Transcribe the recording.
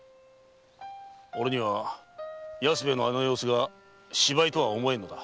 俺には安兵衛のあの様子が芝居とは思えんのだ。